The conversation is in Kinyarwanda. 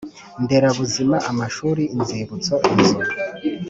Nderabuzima amashuri inzibutso inzu